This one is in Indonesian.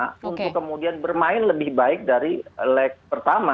untuk kemudian bermain lebih baik dari leg pertama